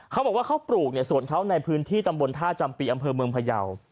เขาบอกว่าเขาปลูกในสวนเขาในพื้นที่ตำบลท่าจำปีอำเภอเมืองพยาว